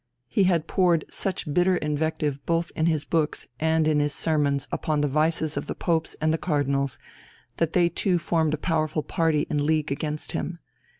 He had poured such bitter invective both in his books and in his sermons upon the vices of the Popes and the Cardinals, that they too formed a powerful party in league against him.